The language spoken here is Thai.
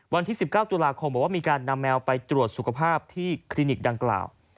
วันที่๑๙ตุลาคมบอกว่ามีการนำแมวไปตรวจสุขภาพที่คลินิกดังกล่าว